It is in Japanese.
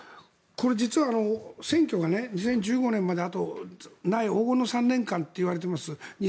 これ実は選挙が２０２５年までないという黄金の３年間といわれています。